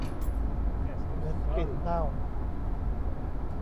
เหมือนกลิ่นเน่า